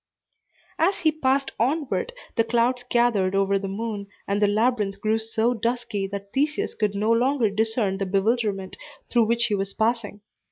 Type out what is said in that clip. As he passed onward, the clouds gathered over the moon, and the labyrinth grew so dusky that Theseus could no longer discern the bewilderment through which he was passing.